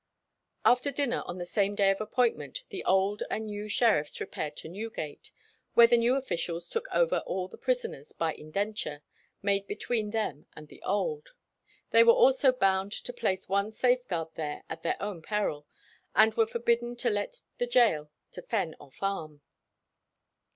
After dinner on the same day of appointment the old and new sheriffs repaired to Newgate, where the new officials took over all the prisoners "by indenture" made between them and the old.[31:1] They were also bound to "place one safeguard there at their own peril," and were forbidden to "let the gaol to fenn or farm."